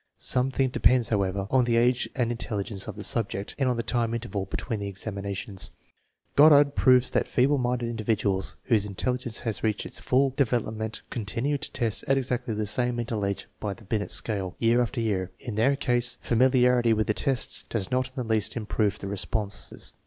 Something depends, however, on the age and intelligence of the sub ject and on the time interval between the examinations. Goddard proves that feeble minded individuals whose intelligence has reached its full development continue to test at exactly the same mental age by the Binet scale, year after year. In their case, familiarity with the tests does not in the least improve the responses.